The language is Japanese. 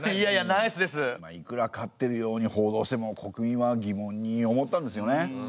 いくら勝ってるように報道しても国民は疑問に思ったんですよね。